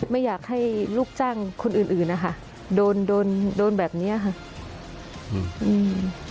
ไม่อยากให้ลูกจ้างคนอื่นนะคะโดนแบบนี้ค่ะ